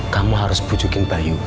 kamu harus bujukin bayu